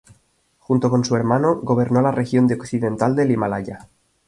Junto con su hermano, gobernó la región de Occidental del Himalaya.